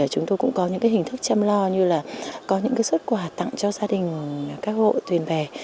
chúng tôi cũng có những hình thức chăm lo như là có những suất quà tặng cho gia đình các hộ thuyền bè